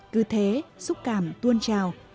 cứ thế xúc cảm tuôn trào